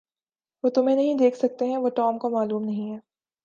وہ تمہیں نہیں دیکھ سکتے ہیں وہ ٹام کو معلوم نہیں ہے